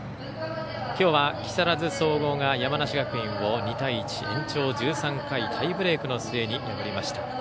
今日は木更津総合が山梨学院を２対１、延長１３回タイブレークの末に破りました。